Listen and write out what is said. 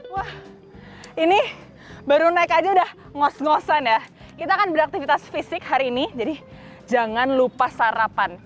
wah ini baru naik aja udah ngos ngosan ya kita akan beraktivitas fisik hari ini jadi jangan lupa sarapan